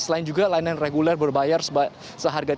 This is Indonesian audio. selain juga layanan reguler berbayar seharga rp tiga lima ratus